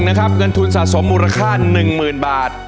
ยกที่๑นะครับเงินทุนสะสมมูลค่า๑๐๐๐๐บาท